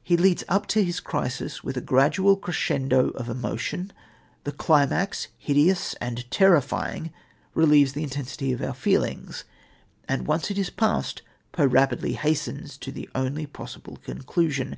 He leads up to his crisis with a gradual crescendo of emotion. The climax, hideous and terrifying, relieves the intensity of our feelings, and once it is past Poe rapidly hastens to the only possible conclusion.